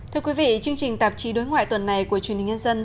thưa quý vị chương trình tạp chí đối ngoại tuần này của chuyên đình nhân dân